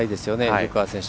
古川選手